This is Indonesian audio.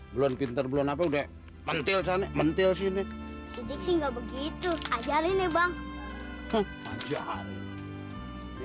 belum pinter belum apa udah mentil sana mentil sini tidak begitu ajarin nih bang